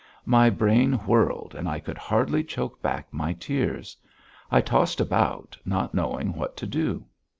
My brain whirled and I could hardly choke back my tears. I tossed about, not knowing what to do.